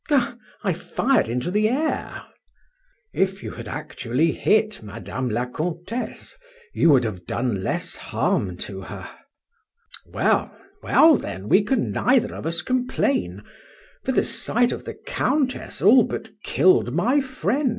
"Eh! I fired into the air!" "If you had actually hit Madame la Comtesse, you would have done less harm to her." "Well, well, then, we can neither of us complain, for the sight of the Countess all but killed my friend, M.